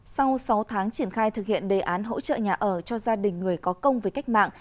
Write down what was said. sau sáu tháng triển khai thực hiện đề án hỗ trợ nhà ở cho gia đình người có công với cách mạng